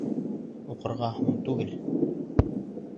Уҡырға һуң түгел